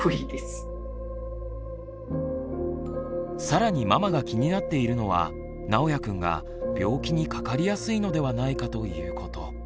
さらにママが気になっているのはなおやくんが病気にかかりやすいのではないかということ。